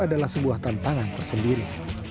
adalah sebuah tantangan tersendiri